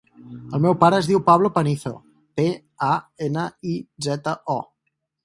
El meu pare es diu Pablo Panizo: pe, a, ena, i, zeta, o.